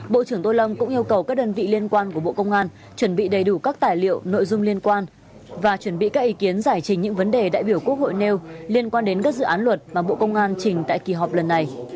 bộ trưởng tô lâm cũng yêu cầu các đơn vị liên quan của bộ công an chuẩn bị đầy đủ các tài liệu nội dung liên quan và chuẩn bị các ý kiến giải trình những vấn đề đại biểu quốc hội nêu liên quan đến các dự án luật mà bộ công an trình tại kỳ họp lần này